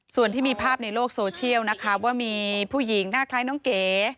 ส่วนที่มีภาพในโลกโซเชียลนะคะว่ามีผู้หญิงหน้าคล้ายน้องเก๋